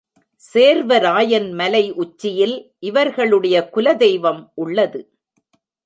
சேர்வராயன் மலை உச்சியில் இவர்களுடைய குல தெய்வம் உள்ளது.